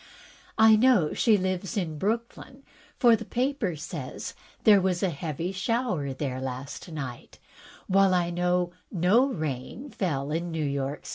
I know she lives in Brooklyn, for the paper says there was a heavy shower there last night, while I know no rain fell in New York.